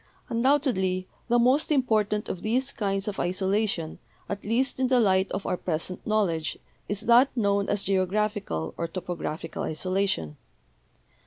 Undoubtedly the most important of these kinds of isolation, at least in the light of our present knowledge, is that known as geographical or topographical isolation.